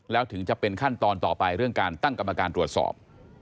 แล้วถึงจะเป็นขั้นตอนต่อไปเรื่องการตั้งกรรมการตรวจสอบ